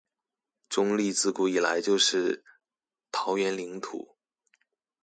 中壢自古以來就是桃園領土